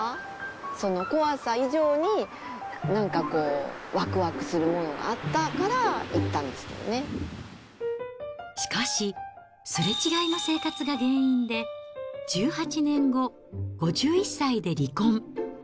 その怖さ以上に、なんかこう、わくわくするものがあったから、しかし、すれ違いの生活が原因で、１８年後、５１歳で離婚。